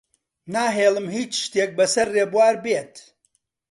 ناهێڵم هیچ شتێک بەسەر ڕێبوار بێت.